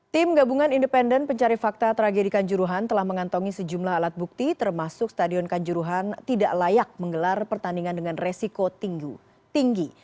tim gabungan independen pencari fakta tragedi kanjuruhan telah mengantongi sejumlah alat bukti termasuk stadion kanjuruhan tidak layak menggelar pertandingan dengan resiko tinggi